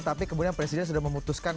tapi kemudian presiden sudah memutuskan